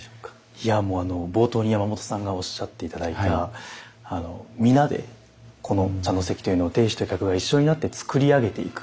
いやもうあの冒頭に山本さんがおっしゃって頂いた皆でこの茶の席というのを亭主と客が一緒になって作り上げていく。